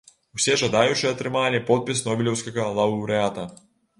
Усе жадаючыя атрымалі подпіс нобелеўскага лаўрэата.